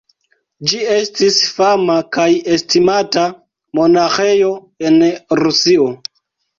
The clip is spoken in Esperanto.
Ĝi estis fama kaj estimata monaĥejo en Rusio.